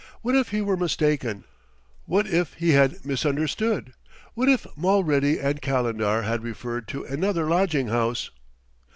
What if he were mistaken, what if he had misunderstood, what if Mulready and Calendar had referred to another lodging house?